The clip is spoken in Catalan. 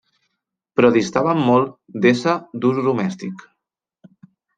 Però distaven molt d'ésser d'ús domèstic.